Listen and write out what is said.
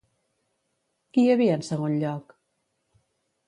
Qui hi havia en segon lloc?